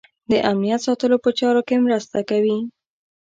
د امنیت ساتلو په چارو کې مرسته کوي.